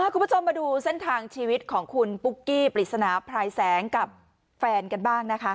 คุณผู้ชมมาดูเส้นทางชีวิตของคุณปุ๊กกี้ปริศนาพรายแสงกับแฟนกันบ้างนะคะ